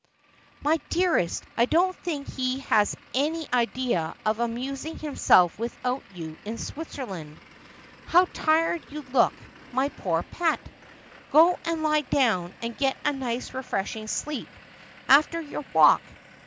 ' My dearest, I don't think he has any idea of amusing him self without you in Switzerland. How tired you look, my poor pet ! G o and lie down and get a nice refreshing sleep after your walk.